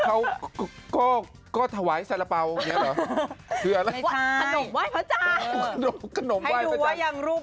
ให้ดูว่ายังรูปร่างอย่างเสียอยู่